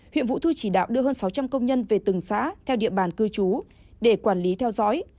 huyện vũ thư chỉ đạo đưa hơn sáu trăm linh công nhân về từng xá theo địa bàn cư trú để quản lý theo dõi